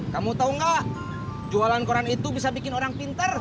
kamu tahu nggak jualan koran itu bisa bikin orang pintar